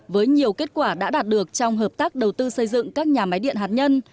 với nhiều kết quả đã đạt được trong hợp tác đầu tư xây dựng các nhà máy điện hạt nhân